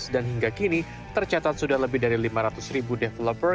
dan hingga kini tercatat sudah lebih dari lima ratus ribu developer